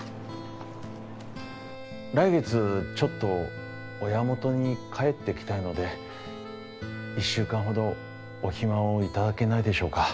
来月ちょっと親元に帰ってきたいので１週間ほどお暇を頂けないでしょうか。